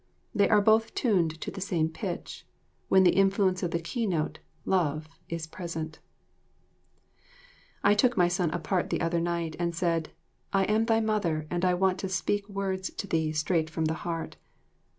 They are both tuned to the same pitch, when the influence of the key note, love, is present. I took my son apart the other night and said, "I am thy mother and I want to speak words to thee straight from the heart.